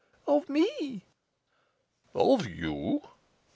"Of me." "Of you?"